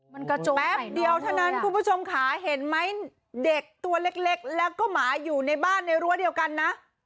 มันกระจกแป๊บเดียวเท่านั้นคุณผู้ชมค่ะเห็นไหมเด็กตัวเล็กแล้วก็หมาอยู่ในบ้านในรั้วเดียวกันนะ